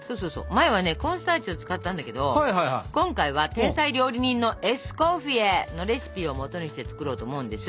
前はコーンスターチを使ったんだけど今回は天才料理人のエスコフィエのレシピをもとにして作ろうと思うんです。